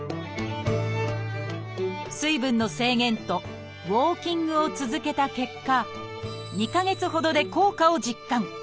水分の制限とウォーキングを続けた結果２か月ほどで効果を実感。